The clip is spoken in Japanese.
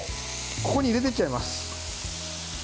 ここに入れていっちゃいます。